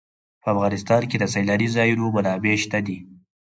په افغانستان کې د سیلاني ځایونو منابع شته دي.